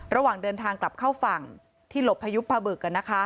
ระหว่างเดินทางกลับเข้าฝั่งที่หลบพายุพพาบึก